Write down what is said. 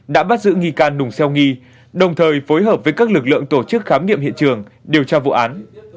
đã bắt giữ nghi can nùng xeo nghi đồng thời phối hợp với các lực lượng tổ chức khám nghiệm hiện trường điều tra vụ án